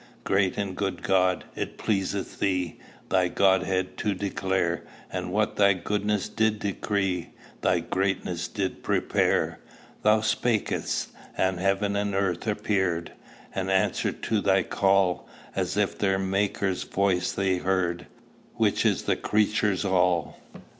"Great and good God, it pleaseth thee Thy Godhead to declare; And what thy goodness did decree, Thy greatness did prepare: Thou spak'st, and heaven and earth appeared, And answered to thy call; As if their Maker's voice they Heard, Which is the creature's All.